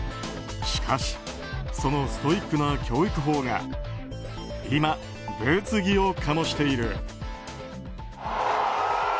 しかしそのストイックな教育法が今、物議を醸している。